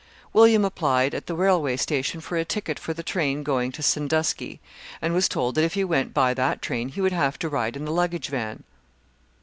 William applied at the railway station for a ticket for the train going to Sandusky, and was told that if he went by that train he would have to ride in the luggage van.